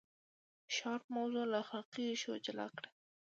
شارپ موضوع له اخلاقي ریښو جلا کړه.